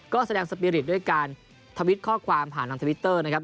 ก็แสดงสปีริตด้วยการทวิตข้อความผ่านทางทวิตเตอร์นะครับ